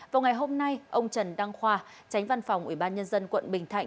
vào ngày hôm nay ông trần đăng khoa tránh văn phòng ủy ban nhân dân quận bình thạnh